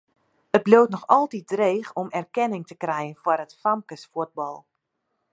It bliuwt noch altyd dreech om erkenning te krijen foar it famkesfuotbal.